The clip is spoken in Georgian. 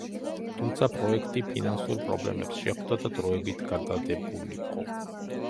თუმცა, პროექტი ფინანსურ პრობლემებს შეხვდა და დროებით გადადებულიყო.